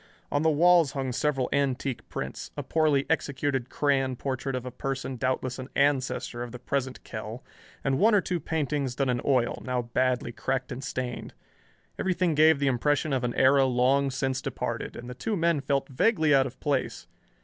On the walls hung several antique prints, a poorly executed crayon portrait of a person doubtless an ancestor of the present Kell, and one or two paintings done in oil, now badly cracked and stained. Everything gave the impression of an era long since departed, and the two men felt vaguely out of place.